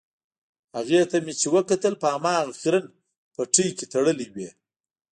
هغې ته چې مې وکتل په هماغه خیرن پټۍ کې تړلې وې.